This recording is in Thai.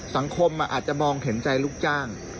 สังคมอาจจะมองเห็นใจลูกจ้าง